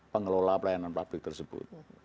pengelola pelayanan publik tersebut